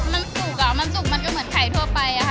มันสุกอ่ะมันสุกมันก็เหมือนไข่ทั่วไปอะค่ะ